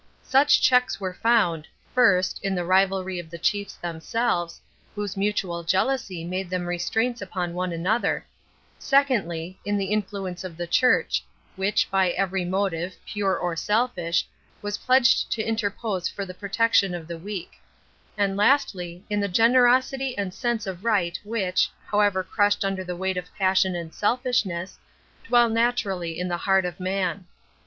Such checks were found, first, in the rivalry of the chiefs themselves, whose mutual jealousy made them restraints upon one another; secondly, in the influence of the Church, which, by every motive, pure or selfish, was pledged to interpose for the protection of the weak; and lastly, in the generosity and sense of right which, however crushed under the weight of passion and selfishness, dwell naturally in the heart of man.